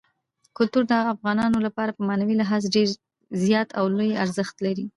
کلتور د افغانانو لپاره په معنوي لحاظ ډېر زیات او لوی ارزښت لري.